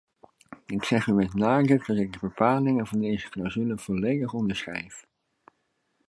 Ik zeg u met nadruk dat ik de bepalingen van deze clausule volledig onderschrijf.